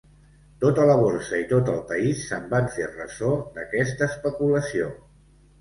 Tota la borsa, i tot el país, se'n van fer ressò d'aquesta especulació.